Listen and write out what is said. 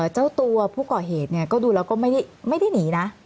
เจ้าตัวผู้ก่อเหตุก็ดูแล้วก็ไม่ได้หนีนะ